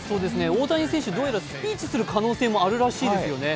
大谷選手、どうやらスピーチする可能性もあるらしいですよね。